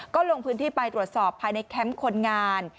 ก็ลงพื้นที่ไปตรวจสอบภายในแคมป์คนงาน